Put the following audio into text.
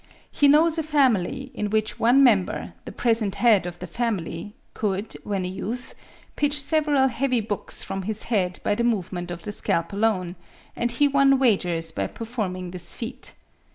He knows a family, in which one member, the present head of the family, could, when a youth, pitch several heavy books from his head by the movement of the scalp alone; and he won wagers by performing this feat.